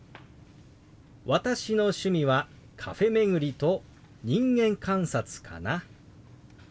「私の趣味はカフェ巡りと人間観察かな」。